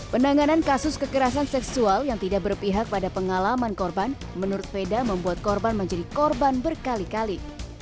penanganan kasus kekerasan seksual yang tidak berpihak pada pengalaman korban menurut veda membuat korban menjadi korban berkali kali